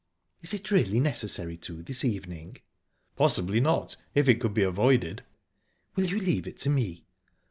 "Is it really necessary to this evening?" "Possibly not, if it could be avoided." "Will you leave it to me?"